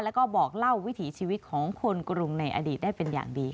แล้วก็บอกเล่าวิถีชีวิตของคนกรุงในอดีตได้เป็นอย่างดีค่ะ